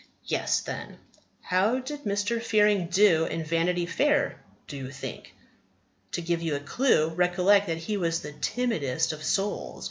Guess, then. How did Mr. Fearing do in Vanity Fair, do you think? To give you a clue, recollect that he was the timidest of souls.